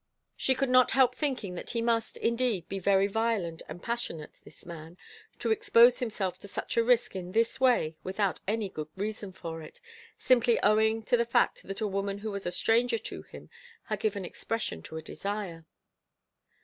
She could not help thinking that he must, indeed, be very violent and passionate this man to expose himself to such a risk in this way without any good reason for it simply owing to the fact that a woman who was a stranger to him had given expression to a desire.